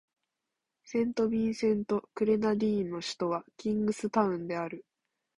セントビンセント・グレナディーンの首都はキングスタウンである